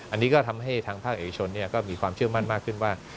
อันนี้ก็ทำให้ทางภาคเอกชนก็มีความเชื่อมั่นมากขึ้นว่า